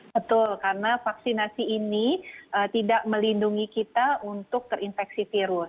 betul karena vaksinasi ini tidak melindungi kita untuk terinfeksi virus